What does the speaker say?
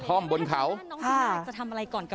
เพื่อนบ้านเจ้าหน้าที่อำรวจกู้ภัย